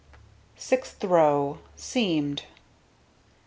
Sixth row: Seamed.